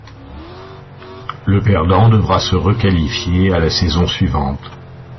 Le perdant devra se requalifier à la saison suivante.